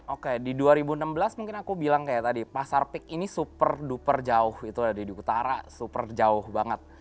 oke di dua ribu enam belas mungkin aku bilang kayak tadi pasar peak ini super duper jauh itu ada di utara super jauh banget